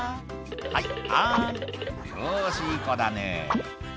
「はいはいよしいい子だね」